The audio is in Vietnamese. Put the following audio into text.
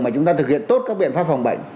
mà chúng ta thực hiện tốt các biện pháp phòng bệnh